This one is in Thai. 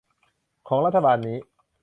ของรัฐบาลนี้